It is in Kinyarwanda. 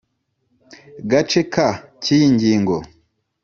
Gace ka cy iyi ngingo